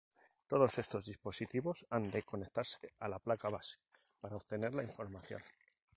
Todos estos dispositivos han de conectarse a la placa base para obtener la información.